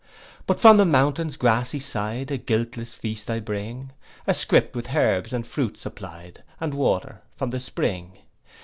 'But from the mountain's grassy side, A guiltless feast I bring; A scrip with herbs and fruits supply'd, And water from the spring.